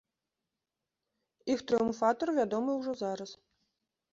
Іх трыумфатар вядомы ўжо зараз.